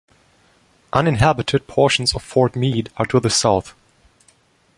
Uninhabited portions of Fort Meade are to the south.